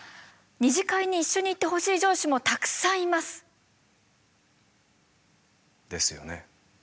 二次会に一緒に行ってほしい上司もたくさんいます！ですよね。